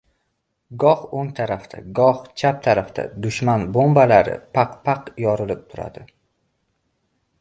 Goh o‘ng tarafda, goh chap tarafda dushman bombalari paq-paq yorilib turadi!